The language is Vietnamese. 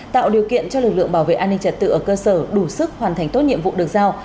tạo điều kiện cho lực lượng bảo vệ an ninh trật tự ở cơ sở đủ sức hoàn thành tốt nhiệm vụ được giao